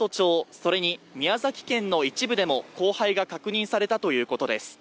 それに宮崎県の一部でも降灰が確認されたということです